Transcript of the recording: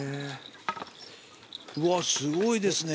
うわっすごいですね